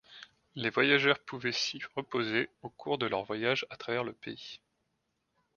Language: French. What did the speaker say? Les voyageurs pouvaient s'y reposer au cours de leur voyage à travers le pays.